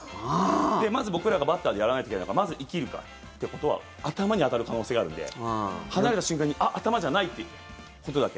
まず僕らがバッターでやらないといけないのがまず生きるかっていうことは頭に当たる可能性があるんで離れた瞬間にあ、頭じゃないってことだけ。